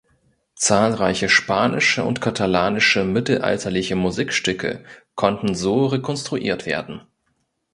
Zahlreiche spanische und katalanische mittelalterliche Musikstücke konnten so rekonstruiert werden.